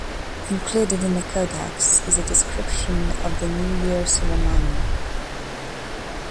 Included in the codex is a description of the New Year ceremony.